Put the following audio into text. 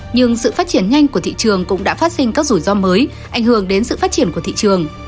nhưng sự phát triển nhanh của thị trường cũng đã phát sinh các rủi ro mới ảnh hưởng đến sự phát triển của thị trường